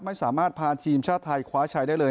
ไม่สามารถพาทีมชาติไทยคว้าชัยได้เลย